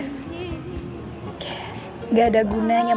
tumpukan duit gini lainnya ya jai